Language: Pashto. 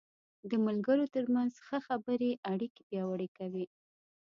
د ملګرو تر منځ ښه خبرې اړیکې پیاوړې کوي.